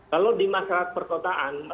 kalau di masyarakat perkotaan